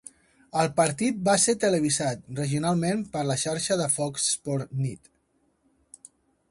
El partit va ser televisat regionalment per la xarxa de Fox Sports Net.